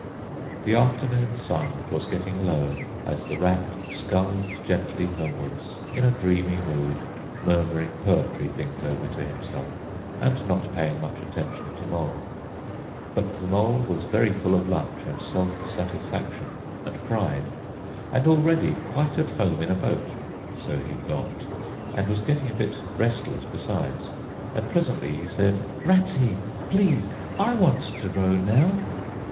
The afternoon sun was getting low as the Rat sculled gently homewards in a dreamy mood, murmuring poetry things over to himself, and not paying much attention to Mole. But the Mole was very full of lunch, and self satisfaction, and pride, and already quite at home in a boat (so he thought) and was getting a bit restless besides: and presently he said, "Ratty! Please, I want to row, now!"